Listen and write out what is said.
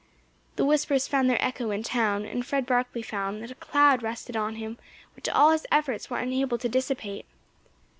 The whispers found their echo in town, and Fred Barkley found that a cloud rested on him which all his efforts were unable to dissipate.